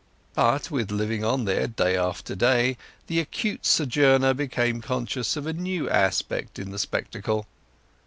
But with living on there, day after day, the acute sojourner became conscious of a new aspect in the spectacle.